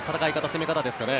攻め方ですかね。